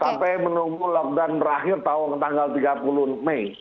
sampai menunggu lockdown berakhir tahun tanggal tiga puluh mei